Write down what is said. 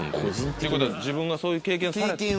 ということは自分がそういう経験されて？